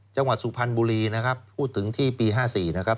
จังหวัดสุภัณฑ์บุรีนะครับพูดถึงที่ปีห้าสี่นะครับ